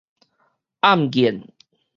暗癮